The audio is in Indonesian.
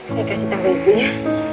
saya kasih tahu ibu ya